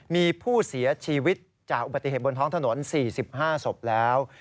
มีผู้เสียชีวิตจากอุบัติเหตุบนท้องถนน๔๕ศพแล้ว